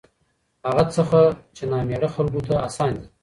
هغه څخه چې نامېړه خلکو ته اسان دي